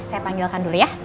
saya panggil kan dulu ya